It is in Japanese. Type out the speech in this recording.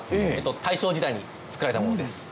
大正時代に造られたものです。